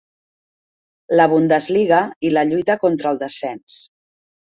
La Bundesliga i la lluita contra el descens.